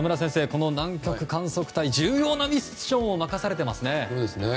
この南極観測隊重要なミッションを任されていますね。